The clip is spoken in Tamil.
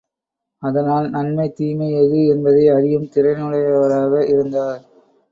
அதனால் நன்மை எது தீமை எது என்பதை அறியும் திறனுடையவராக இருந்தார்.